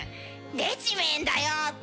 「でちめーんだよ」